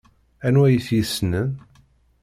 Anwa ay t-yessnen?